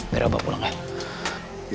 biar abah pulang ya